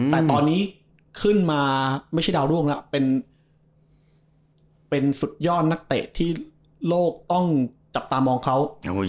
แต่ตอนนี้ขึ้นมาไม่ใช่ดาวร่วงแล้วเป็นสุดยอดนักเตะที่โลกต้องจับตามองเขา